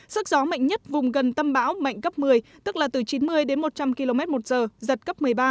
sức gió mạnh nhất vùng gần tâm bão mạnh cấp một mươi tức là từ chín mươi đến một trăm linh km một giờ giật cấp một mươi ba